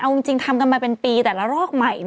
เอาจริงทำกันมาเป็นปีแต่ละรอกใหม่